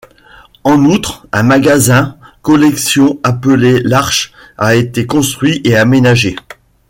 En outre, un magasin collections appelé l'Arche a été construit et aménagé.